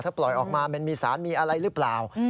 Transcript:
ถ้าปล่อยออกมามันมีสารมีอะไรหรือเปล่า